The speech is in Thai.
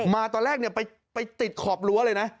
มาตอนแรกไปติดขอบรั้วเลยนะ